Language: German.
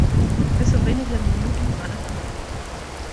Bis vor wenigen Minuten sah das anders aus.